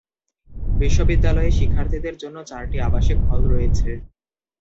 বিশ্ববিদ্যালয়ে শিক্ষার্থীদের জন্য চারটি আবাসিক হল রয়েছে।